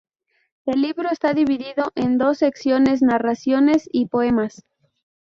El libro está divido en dos secciones: "Narraciones" y "Poemas".